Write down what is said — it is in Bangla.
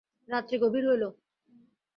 রাত্রি গভীর হইল।